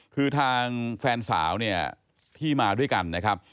คือทางแฟนสาวเนี่ยที่มาด้วยกันนะครับ